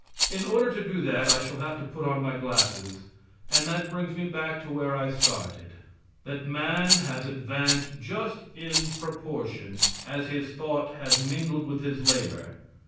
In order to do that I shall have to put on my glasses; and that brings me back to where I started that man has advanced just in proportion as his thought has mingled with his labor.